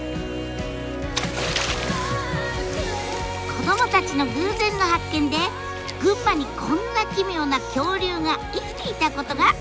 子どもたちの偶然の発見で群馬にこんな奇妙な恐竜が生きていたことが分かったんです。